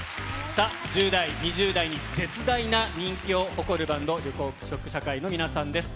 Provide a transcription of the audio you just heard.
さあ、１０代、２０代に絶大な人気を誇るバンド、緑黄色社会の皆さんです。